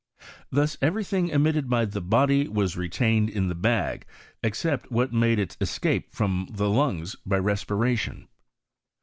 Thus every thing emitted by the body was retained in the bag, except what made its escape from the lungs by respiration.